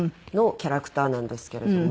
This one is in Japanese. キャラクターなんですけれども。